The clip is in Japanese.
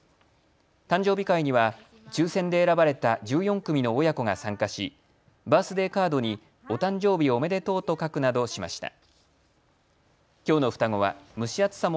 誕生日会には抽せんで選ばれた１４組の親子が参加しバースデーカードにおたんじょうびおめでとうと書くなどしました。